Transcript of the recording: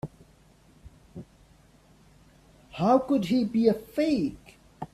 How could he be a fake?